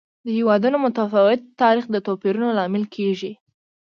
د هېوادونو متفاوت تاریخ د توپیرونو لامل کېږي.